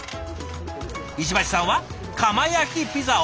石橋さんは窯焼きピザを。